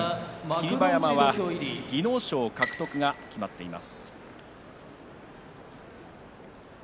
霧馬山は技能賞獲得は決まっています。